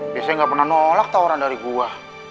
biasanya gak pernah nolak tawaran dari gue